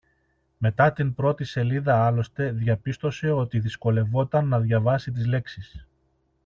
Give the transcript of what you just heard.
Μετά την πρώτη σελίδα άλλωστε διαπίστωσε ότι δυσκολευόταν να διαβάσει τις λέξεις